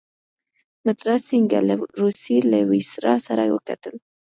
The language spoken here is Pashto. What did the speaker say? مترا سینګه له روسيې له ویسرا سره وکتل.